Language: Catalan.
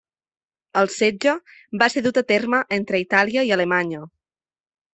El setge va ser dut a terme entre Itàlia i Alemanya.